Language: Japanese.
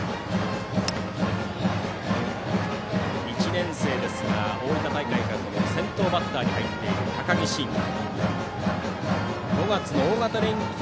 １年生ですが、大分大会から先頭バッターに入っている高木真心がバッターボックス。